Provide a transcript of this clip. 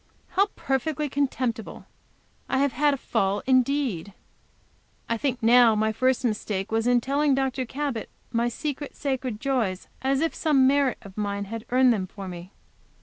How perfectly contemptible! I have had a fall indeed! I think now my first mistake was in telling Dr. Cabot my secret, sacred joys, as if some merit of mine had earned them for me.